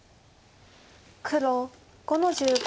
黒５の十五。